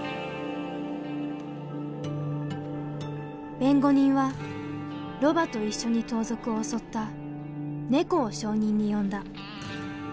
弁護人はロバと一緒に盗賊を襲ったネコを証人に呼んだ。